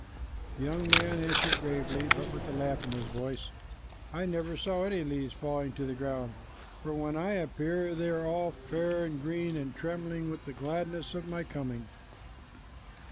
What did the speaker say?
The young man answered gravely, but with a laugh in his voice, "I never saw any leaves falling to the ground, for when I appear, they are all fair and green and trembling with the gladness of my coming."